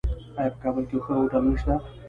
آیا په کابل کې ښه هوټلونه شته؟